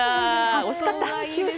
惜しかった。